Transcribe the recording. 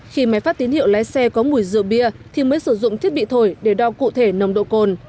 khi máy phát tín hiệu lái xe có mùi rượu bia thì mới sử dụng thiết bị thổi để đo cụ thể nồng độ cồn